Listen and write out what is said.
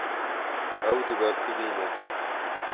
Ew dibersivîne.